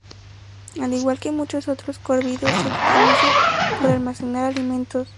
Al igual que muchos otros córvidos se le conoce por almacenar alimentos.